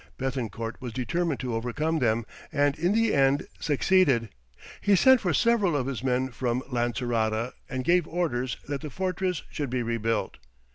Béthencourt was determined to overcome them, and in the end succeeded. He sent for several of his men from Lancerota, and gave orders that the fortress should be rebuilt.